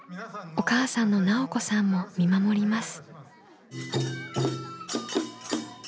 お母さんの奈緒子さんも見守ります。